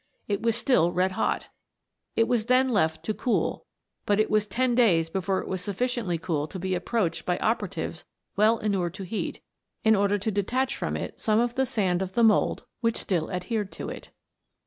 It was still red hot ! It was then left to cool, but it was ten days before it was sufficiently cool to be approached by operatives well inured to heat, in order to detach from it some of the sand of the mould which still adhered to it.